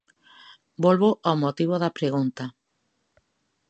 Volvo ao motivo da pregunta.